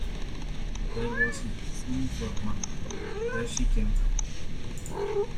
There wasn’t room for one where she came from.